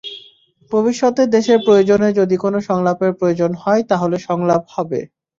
ভবিষ্যতে দেশের প্রয়োজনে যদি কোনো সংলাপের প্রয়োজন হয়, তাহলে সংলাপ হবে।